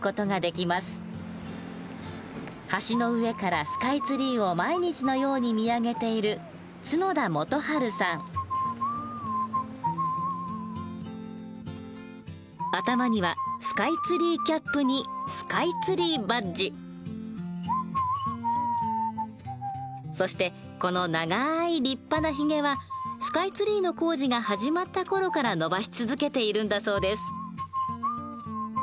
橋の上からスカイツリーを毎日のように見上げている頭にはそしてこの長い立派なヒゲはスカイツリーの工事が始まった頃から伸ばし続けているんだそうです。